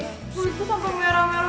kulitku tampak merah merah